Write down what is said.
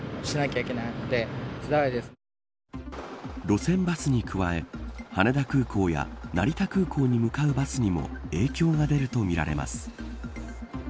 路線バスに加え羽田空港や成田空港に向かうバスにも影響が出るとみられます。